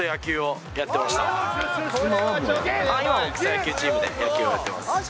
今も草野球チームで野球をやってます。